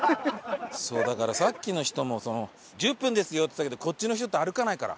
そうだからさっきの人も「１０分ですよ」って言ったけどこっちの人って歩かないから。